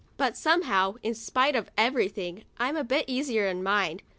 But, somehow, in spite of everything, I'm a bit easier in my mind.